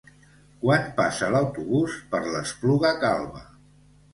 Quan passa l'autobús per l'Espluga Calba?